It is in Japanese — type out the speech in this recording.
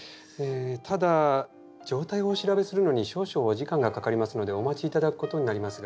ただ状態をお調べするのに少々お時間がかかりますのでお待ち頂く事になりますが。